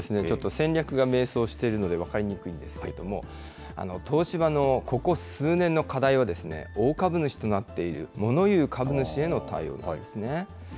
ちょっと戦略が迷走しているので、分かりにくいですけれども、東芝のここ数年の課題は、大株主となっているモノ言う株主へのたいおうです。